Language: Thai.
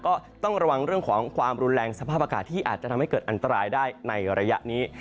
ก็ต้องระวังเรื่องของความรุนแรงสภาพอากาศที่อาจจะทำให้เกิดอันตรายได้ในระยะนี้